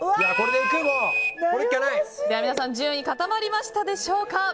皆さん順位固まりましたでしょうか。